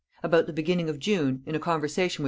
About the beginning of June, in a conversation with M.